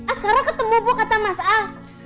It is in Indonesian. askara ketemu bu kata mas al